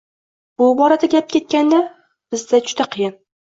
Bu borada gap ketganda, bizda juda qiyin